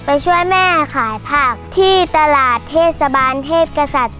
ช่วยแม่ขายผักที่ตลาดเทศบาลเทพกษัตริย์